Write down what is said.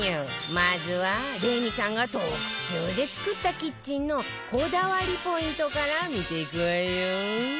まずはレミさんが特注で作ったキッチンのこだわりポイントから見ていくわよ